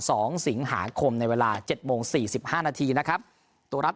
สองสิงหาคมในเวลาเจ็ดโมงสี่สิบห้านาทีนะครับตัวรับ